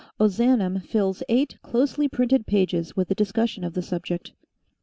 Ozanam fills eight closely printed pages with a discussion of the subject.